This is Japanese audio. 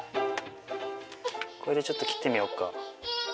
これでちょっと切ってみよっか。